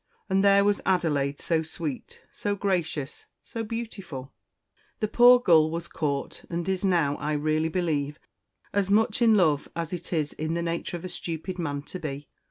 And there was Adelaide so sweet so gracious so beautiful the poor gull was caught, and is now, I really believe, as much in love as it is in the nature of a stupid man to be.